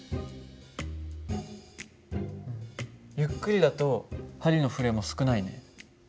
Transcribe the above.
ゆっくりだと針の振れも少ないね。